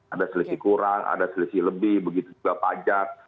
ada selisih kurang ada selisih lebih begitu juga pajak